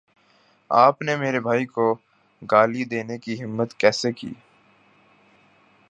آپ نے میرے بھائی کو گالی دینے کی ہمت کیسے کی